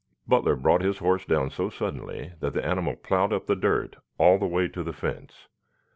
Butler brought his horse down so suddenly that the animal plowed up the dirt all the way to the fence.